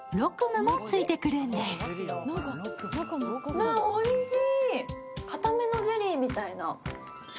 うわ、おいしい。